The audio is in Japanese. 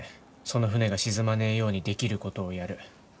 その船が沈まねえようにできることをやる。